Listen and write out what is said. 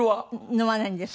飲まないんです。